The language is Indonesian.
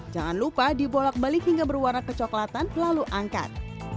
jangan lupa dibolak balik hingga berwarna kecoklatan lalu angkat